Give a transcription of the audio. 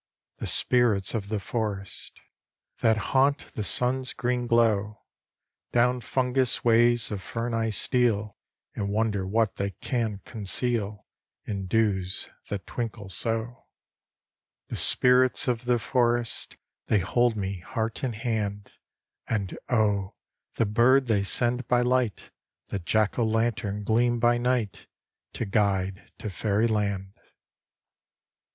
The spirits of the forest. That haunt the sun's green glow Down fungus ways of fern I steal And wonder what they can conceal, In dews, that twinkles so. The spirits of the forest, They hold me, heart and hand And, oh! the bird they send by light, The jack o' lantern gleam by night, To guide to Fairyland! II.